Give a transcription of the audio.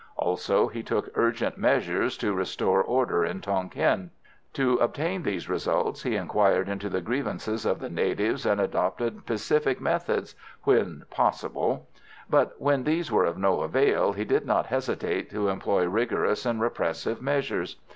Also he took urgent measures to restore order in Tonquin. To obtain these results he enquired into the grievances of the natives, and adopted pacific methods when possible; but when these were of no avail, he did not hesitate to employ rigorous and repressive measures.